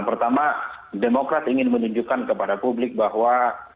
pertama demokrat ingin menunjukkan kepada publik bahwa